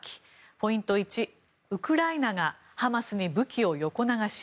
ポイント１、ウクライナがハマスに武器を横流し。